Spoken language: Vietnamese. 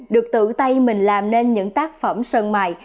được tự tay mình làm nên những tác phẩm sơn mài